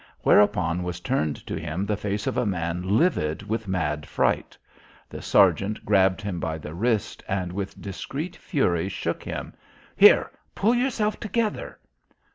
Whereupon was turned to him the face of a man livid with mad fright. The sergeant grabbed him by the wrist and with discreet fury shook him. "Here! Pull yourself together!"